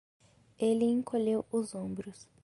Ele encolheu os ombros.